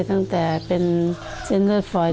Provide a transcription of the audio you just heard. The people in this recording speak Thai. ตั้งแต่เป็นเซ็นเตอร์ฟอยด์